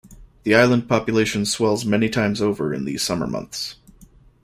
The island population swells many times over in the summer months.